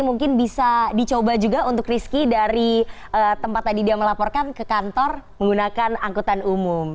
mungkin bisa dicoba juga untuk rizky dari tempat tadi dia melaporkan ke kantor menggunakan angkutan umum